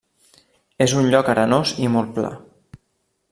És un lloc arenós i molt pla.